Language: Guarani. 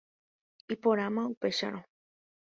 Iporãma upéicharõ.